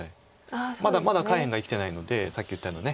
まだ下辺が生きてないのでさっき言ったように。